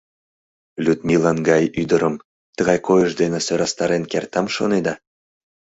Людмилан гай ӱдырым тыгай койыш дене сӧрастарен кертам шонеда?